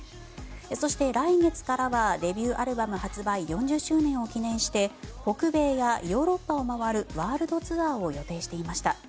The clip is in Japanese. そして、来月からはデビューアルバム発売４０周年を記念して北米やヨーロッパを回るワールドツアーを予定していました。